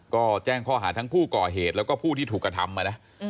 ก็แจ้งข้อหาทั้งผู้ก่อเหตุแล้วก็ผู้ที่ถูกกระทำมานะ